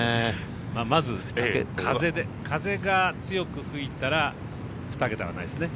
まず風が強く吹いたら２桁はないですね。